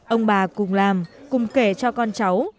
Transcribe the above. ông bà cùng làm cùng kể cho con cháu